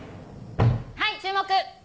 はい注目！